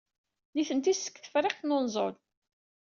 Nitenti seg Tefriqt n Unẓul.